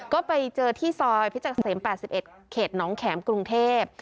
ก็ไปเจอที่ซอยพิจักรเสม๘๑เขตน้องแข็มกรุงเทพ